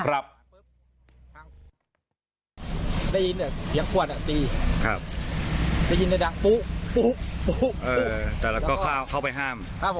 โอ้โหดังปู้ปู้ปู้ปู้